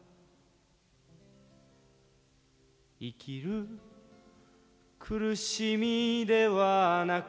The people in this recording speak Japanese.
「生きる苦しみではなく」